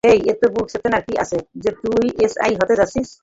হেই, এত বুক চেতানোর কী আছে যে তুই এসআই হতে যাচ্ছিস?